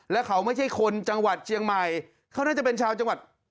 แล้วเขาไม่ใช่คนจังหวัดเชียงใหม่เขาน่าจะเป็นชาวจังหวัด